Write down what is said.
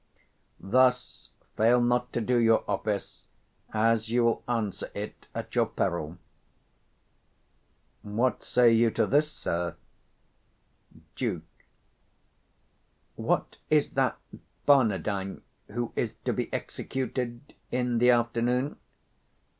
Thus fail not to do your office, as you will answer it at your peril. What say you to this, sir? 120 Duke. What is that Barnardine who is to be executed in the afternoon?